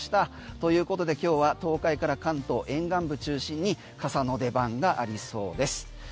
ということで今日は東海から関東沿岸部中心に傘の出番がありそうです。